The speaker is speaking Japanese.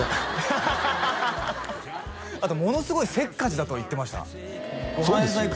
ハハハハあと「ものすごいせっかちだ」と言ってましたそうですよ